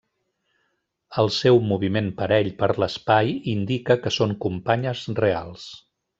El seu moviment parell per l'espai indica que són companyes reals.